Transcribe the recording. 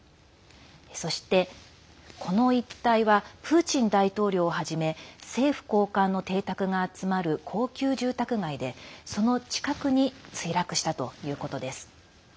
そして、この一帯はプーチン大統領をはじめ政府高官の邸宅が集まる高級住宅街でその近くに墜落したということです。